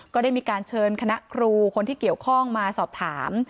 ก็ได้มีการเชิญคณะครูคนที่เกี่ยวข้องมาสอบถาม